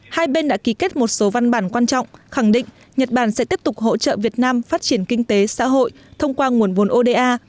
hai bên đã ký kết một số văn bản quan trọng khẳng định nhật bản sẽ tiếp tục hỗ trợ việt nam phát triển kinh tế xã hội thông qua nguồn vốn oda